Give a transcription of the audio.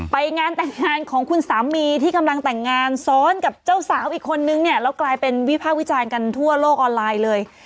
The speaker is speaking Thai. ไปงานแต่งงานของคุณสามีที่กำลังแต่งงานซ้อนกับเจ้าสาวอีกคนนึงเนี่ยแล้วกลายเป็นวิภาควิจารณ์กันทั่วโลกออนไลน์เลย